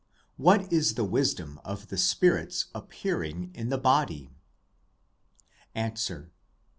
What is the wisdom of the spirit's appear ing in the body ? Answer.